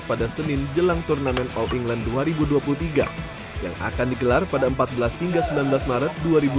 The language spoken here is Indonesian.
pada senin jelang turnamen all england dua ribu dua puluh tiga yang akan digelar pada empat belas hingga sembilan belas maret dua ribu dua puluh